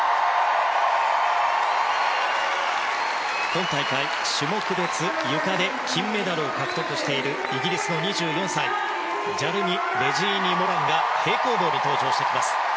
今大会、種目別ゆかで金メダルを獲得しているイギリスの２４歳ジャルニ・レジーニ・モランが平行棒に登場しました。